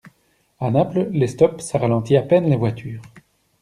A Naples, les stop ça ralentit à peine les voitures.